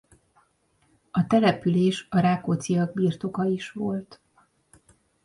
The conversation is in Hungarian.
A település a Rákócziak birtoka is volt.